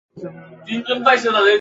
এ স্থাপত্য কৌশল গ্রীক পদ্ধতির অনুরূপ।